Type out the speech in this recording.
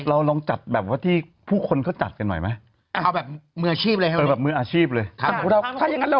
เราลองจัดแบบว่าที่ผู้คนเขาจัดกันหน่อยไหม